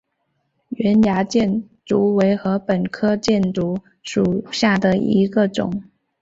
圆芽箭竹为禾本科箭竹属下的一个种。